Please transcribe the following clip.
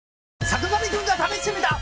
『坂上くんが試してみた！！』。